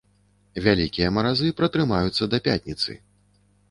Вялікія маразы пратрымаюцца да пятніцы.